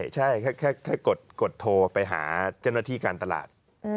ใช่แค่กดโทรไปหาเจ้าหน้าที่การตลาด